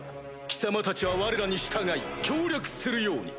貴様たちはわれらに従い協力するように。